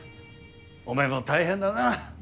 お前も大変だな。